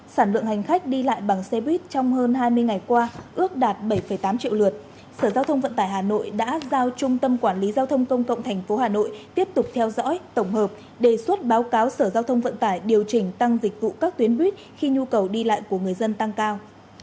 sau hơn hai mươi ngày hoạt động trung tâm quản lý giao thông cộng th retard tiếp tục theo dõi tổng hợp đề xuất báo cáo sở giao thông vận tải điều chỉnh tăng dịch vụ các tuyến buýt khi nhu cầu đi lại của người dân tăng cao